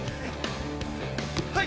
はい！